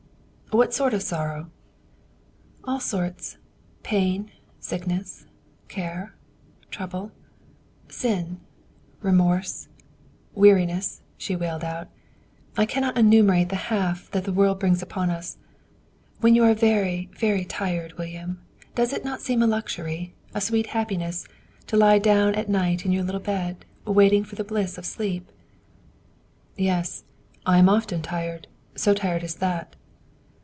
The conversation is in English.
"What sort of sorrow?" "All sorts. Pain, sickness, care, trouble, sin, remorse, weariness," she wailed out. "I cannot enumerate the half that the world brings upon us. When you are very, very tired, William, does it not seem a luxury, a sweet happiness, to lie down at night in your little bed, waiting for the bliss of sleep?" "Yes. And I am often tired; so tired as that."